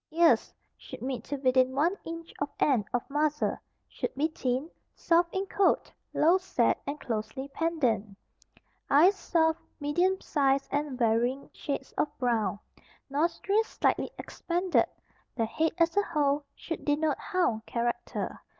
Ears should meet to within one inch of end of muzzle, should be thin, soft in coat, low set and closely pendant. Eyes soft, medium size, and varying shades of brown. Nostrils slightly expanded. The head as a whole should denote hound character.